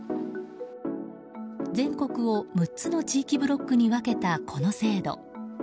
全国を６つの地域ブロックに分けたこの制度。